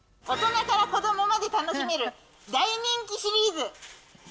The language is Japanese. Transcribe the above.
大人から子どもまで楽しめる大人気シリーズ。